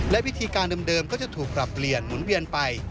และวิธีการเดิมก็จะถูกปรับเปลี่ยนหมุนเวียนไป